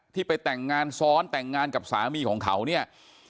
ที่ไปแต่งงานซ้อนแต่งงานกับสามีของเขาเนี่ย